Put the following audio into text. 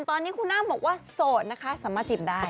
ตอนนี้คุณอ้ำบอกว่าโสดนะคะสามารถจิบได้